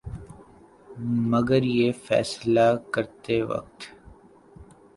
مگر یہ فیصلہ کرتے وقت